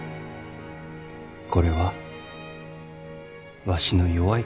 これはわしの弱い心じゃ。